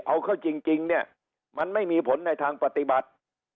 เอาเข้าจริงเนี่ยมันไม่มีผลในทางปฏิบัติ